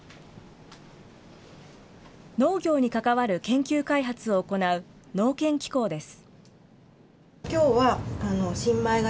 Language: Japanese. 農業に関わる研究開発を行う農研機構です。